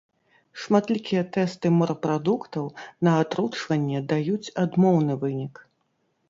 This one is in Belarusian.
Шматлікія тэсты морапрадуктаў на атручванне даюць адмоўны вынік.